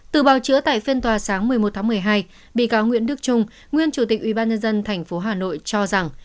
từ bào chữa tại phiên tòa sáng một mươi một tháng một mươi hai bị cáo nguyễn đức trung nguyên chủ tịch ubnd tp hà nội cho rằng